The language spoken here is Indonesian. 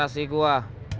tidak ada yang kena